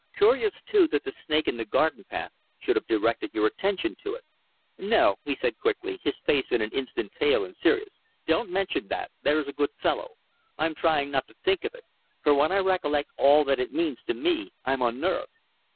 Curious, too, that the snake in the garden path should have directed your attention to it." "No," he said quickly, his face in an instant pale and serious, "don't mention that, there's a good fellow. I'm trying not to think of it; for when I recollect all that it means to me I'm unnerved."